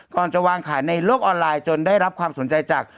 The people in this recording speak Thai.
ก่อนจะวางขายในโลกออนไลน์จนได้รับความสนใจจาก